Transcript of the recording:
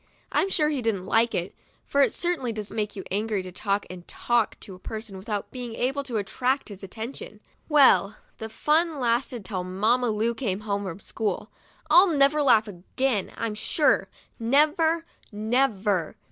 I'm sure she didn't like it, for it certainly does make you angry to talk and talk to a person, without being able to attract his attention. Well, the fun lasted till Mamma Lu came home from school. I'll never laugh again, I'm sure, never, never.